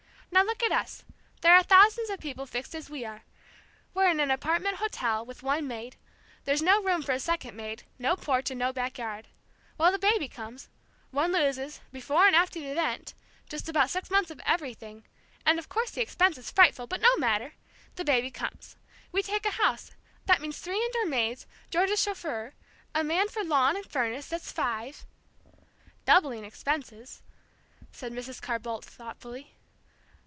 Now, look at us, there are thousands of people fixed as we are. We're in an apartment hotel, with one maid. There's no room for a second maid, no porch and no back yard. Well, the baby comes, one loses, before and after the event, just about six months of everything, and of course the expense is frightful, but no matter! the baby comes. We take a house. That means three indoor maids, George's chauffeur, a man for lawn and furnace that's five " "Doubling expenses," said Mrs. Carr Boldt, thoughtfully.